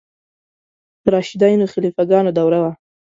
د راشدینو خلیفه ګانو دوره وه.